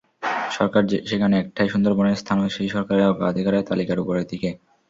সরকার সেখানে একটাই, সুন্দরবনের স্থানও সেই সরকারের অগ্রাধিকারের তালিকার ওপরের দিকে।